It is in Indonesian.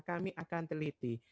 kami akan teliti